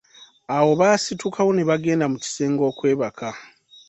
Awo baasitukawo ne bagenda mu kisenge okwebaka.